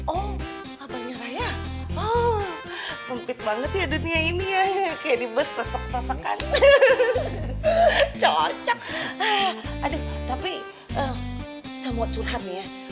oh abahnya raya oh sempit banget ya dunia ini ya kayak dibesek besekan cocok tapi sama curhatnya